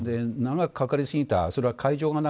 長くかかりすぎた。